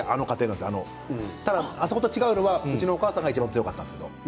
ただあそこと違うのは、うちはお母さんがいちばん強かったですけどね。